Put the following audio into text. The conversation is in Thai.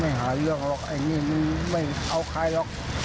หาเรื่องหรอกไอ้นี่มันไม่เอาใครหรอก